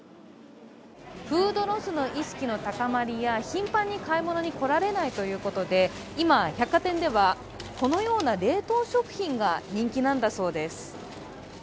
フードロスの意識の高まりや頻繁に買い物に来られないということで、今、百貨店では、このような冷凍食品が人気なんだそうです。